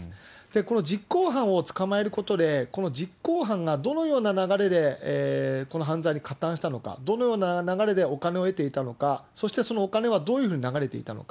この実行犯を捕まえることで、この実行犯がどのような流れでこの犯罪に加担したのか、どのような流れでお金を得ていたのか、そしてそのお金はどういうふうに流れていたのか。